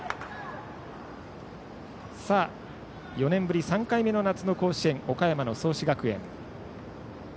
４年ぶり３回目の夏の甲子園岡山の創志学園。